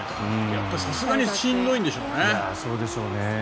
やっぱりさすがにしんどいんでしょうね。